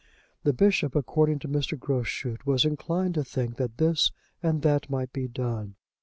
The bishop, according to Mr. Groschut, was inclined to think that this and that might be done.